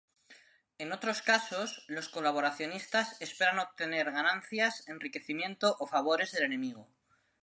En otros casos, los colaboracionistas esperan obtener ganancias, enriquecimiento o favores del enemigo.